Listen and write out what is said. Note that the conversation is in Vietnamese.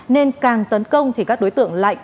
nên càng tấn công thì các đối tượng lạnh